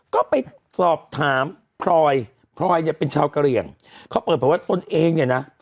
ก็ไปสอบถามพรอยพรอยเป็นชาวกะเรียงเขาเปิดชัวร์ประวัติต้นเองเนี่ยนะ